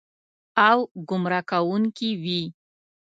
او ګمراه کوونکې وي.